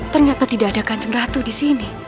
ternyata tidak ada kanjeng ratu di sini